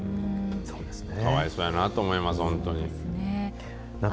かわいそうやなと思います、本当に。